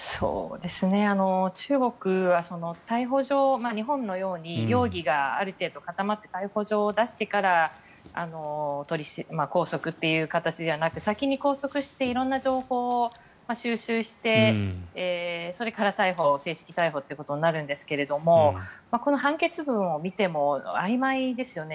中国は逮捕状日本のように容疑がある程度固まって逮捕状を出してから拘束という形ではなく先に拘束して色んな情報を収集してそれから正式逮捕ということになるんですけどもこの判決文を見てもあいまいですよね。